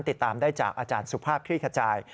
ติดตามได้จากอาจารย์สุภาพคลี่ขจาย